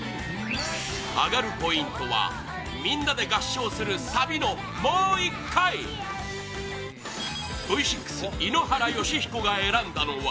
アガるポイントはみんなで合唱するサビの「もういっかい！」Ｖ６ 井ノ原快彦が選んだのは